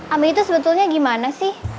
amin itu sebetulnya gimana sih